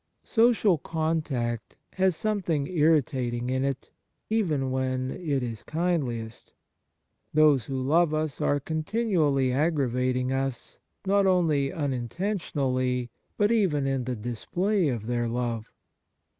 Social contact has something irritating in it, even when it is kindliest. Those who love us are continually aggravating us, not only unintentionally, but even in the display of their love.